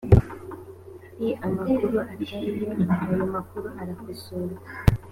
hari amakuru atari yo ayo makuru arakosorwa